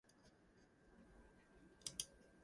Harry Belafonte recorded the song on at least three albums.